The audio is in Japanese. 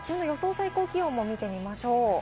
最高気温も見てみましょう。